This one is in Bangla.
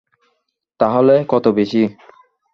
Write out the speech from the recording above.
তাহলে কত বেশি?